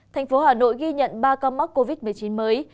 thành phố hà nội ghi nhận ba ca mắc covid một mươi chín mới